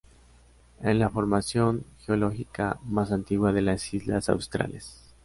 Es la formación geológica más antigua de las islas Australes.